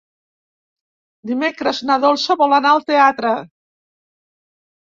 Dimecres na Dolça vol anar al teatre.